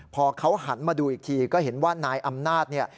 พอเขาหันมาดูอีกทีก็เห็นว่านายอำนาจเนี่ย